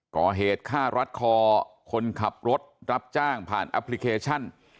ก่อเหตุฆ่ารัดคอคนขับรถรับจ้างผ่านแอปพลิเคชัน